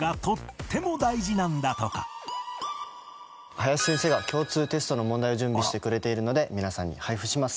林先生が共通テストの問題を準備してくれているので皆さんに配布します。